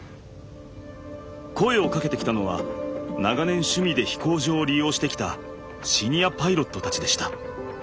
声をかけてきたのは長年趣味で飛行場を利用してきたシニアパイロットたちでした。